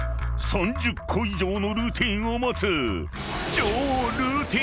［３０個以上のルーティンを持つ］